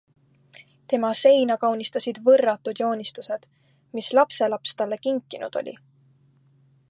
Tema seina kaunistasid võrratud joonistused, mis lapselaps talle kinkinud oli.